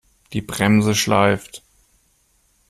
Die Bremse schleift.